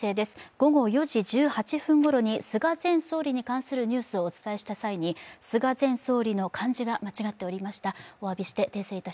午後４時１８分ごろに菅前総理に関するニュースをお伝えした際に菅前総理の漢字が間違っておりました。